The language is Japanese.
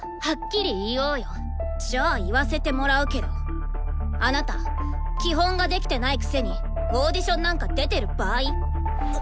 じゃあ言わせてもらうけどあなた基本ができてないくせにオーディションなんか出てる場合？